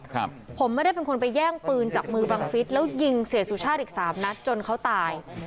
ครับผมไม่ได้เป็นคนไปแย่งปืนจากมือบังฟิศแล้วยิงเสียสุชาติอีกสามนัดจนเขาตาย